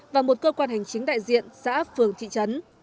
và một cơ quan hành chính đại diện xã phường thị trấn